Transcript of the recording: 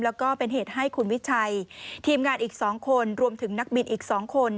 แล้วก็เป็นเหตุให้คุณวิชัยทีมงานอีก๒คนรวมถึงนักบินอีก๒คน